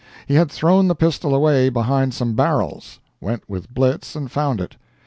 He had thrown the pistol away behind some barrels—went with Blitz and found it.